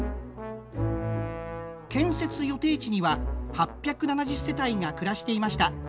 建設予定地には８７０世帯が暮らしていました。